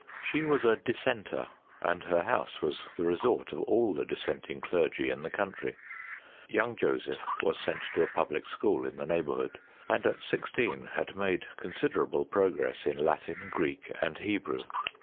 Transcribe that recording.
She was a dissenter, and her house was the resort of all the dissenting clergy in the country. Young Joseph was sent to a public school in the neighbourhood, and, at sixteen, had made con siderable progress in Latin, Greek, and Hebrew.